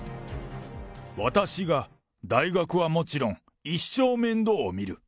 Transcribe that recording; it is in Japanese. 私が、大学はもちろん、一生面倒を見る。